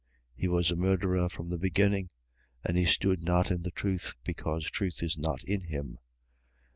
He was a murderer from the beginning: and he stood not in the truth, because truth is not in him.